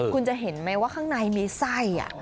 คุณจะเห็นไหมว่าข้างในมีไส้